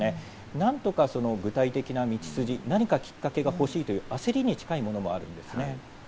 何とか具体的な道筋、何かきっかけが欲しいという焦りに近いものがあるんですね。